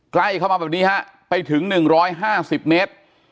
ใกล้เข้ามาแบบนี้ฮะไปถึง๑๕๐เมตร